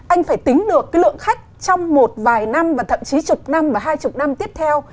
anh phải tính được cái lượng khách trong một vài năm và thậm chí chục năm và hai mươi năm tiếp theo